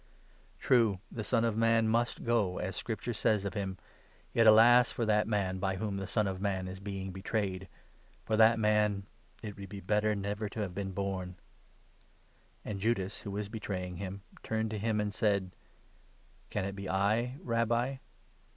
True, the Son of Man must go, as Scripture says of him, yet alas for that man by whom the Son of Man is being betrayed ! For that man ' it would be better never to have been born !'" And Judas, who was betraying him, turned to him and said : "Can it be I, Rabbi?"